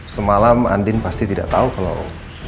semalam andin pasti tidak tahu kalau